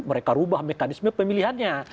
mereka ubah mekanisme pemilihannya